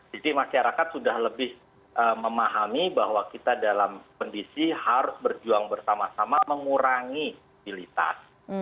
jadi masyarakat sudah lebih memahami bahwa kita dalam kondisi harus berjuang bersama sama mengurangi mobilitas